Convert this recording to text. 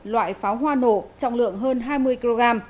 loại pháo hoa nổ trọng lượng hơn hai mươi kg